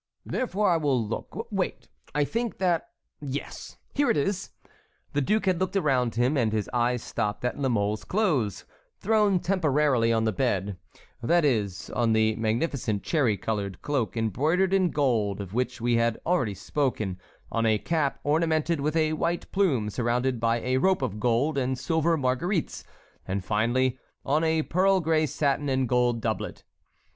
"Therefore I will look—wait—I think that—yes, here it is." The duke had looked around him, and his eyes stopped at La Mole's clothes, thrown temporarily on the bed; that is, on the magnificent cherry colored cloak embroidered in gold, of which we have already spoken; on a cap ornamented with a white plume surrounded by a rope of gold and silver marguerites, and finally on a pearl gray satin and gold doublet.